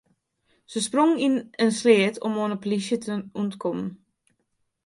Se sprongen yn in sleat om oan de polysje te ûntkommen.